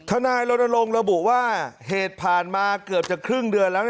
นายรณรงค์ระบุว่าเหตุผ่านมาเกือบจะครึ่งเดือนแล้ว